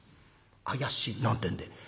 怪しい」なんてんで。